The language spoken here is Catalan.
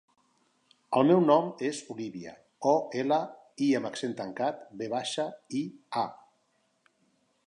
El meu nom és Olívia: o, ela, i amb accent tancat, ve baixa, i, a.